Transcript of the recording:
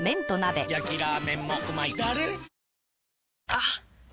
あっ！